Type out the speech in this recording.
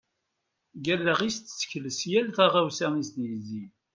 Deg alaɣ-is tessekles yal taɣawsa i as-d-yezzin.